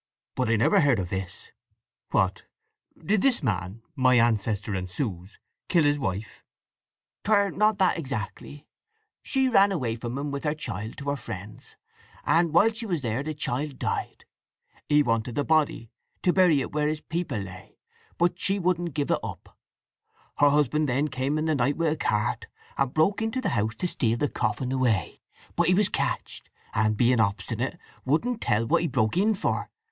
"But I never heard of this. What—did this man—my ancestor and Sue's—kill his wife?" "'Twer not that exactly. She ran away from him, with their child, to her friends; and while she was there the child died. He wanted the body, to bury it where his people lay, but she wouldn't give it up. Her husband then came in the night with a cart, and broke into the house to steal the coffin away; but he was catched, and being obstinate, wouldn't tell what he broke in for.